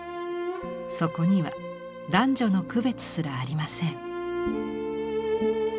そこには男女の区別すらありません。